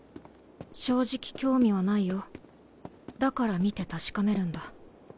正直興味はないよだから見て確かめるんだ。